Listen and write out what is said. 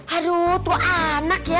aduh tuh anak ya